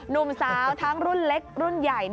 หนุ่มสาวทั้งรุ่นเล็กรุ่นใหญ่